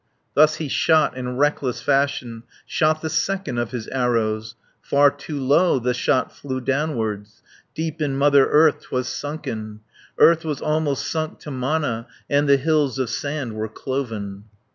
Thus he shot, in reckless fashion, Shot the second of his arrows. 170 Far too low the shot flew downwards. Deep in Mother Earth 'twas sunken. Earth was almost sunk to Mana, And the hills of sand were cloven.